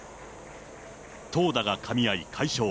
投打がかみ合い、快勝。